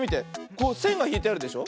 こうせんがひいてあるでしょ。